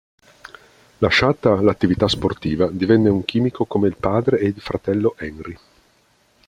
Lasciata l'attività sportiva divenne un chimico come il padre ed il fratello Henry.